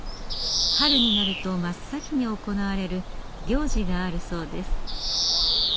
春になると真っ先に行われる行事があるそうです。